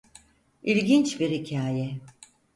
İlginç bir hikaye.